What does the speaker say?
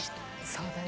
そうだね。